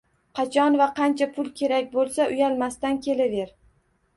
Qachon va qancha pul kerak boʻlsa uyalmasdan kelaver.